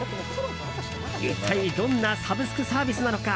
一体どんなサブスクサービスなのか